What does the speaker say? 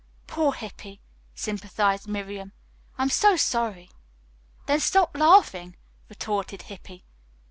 "Poor Hippy," sympathized Miriam. "I'm so sorry." "Then stop laughing," retorted Hippy.